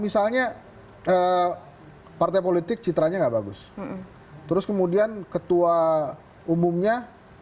misalnya partai politik citranya nggak bagus terus kemudian ketua umumnya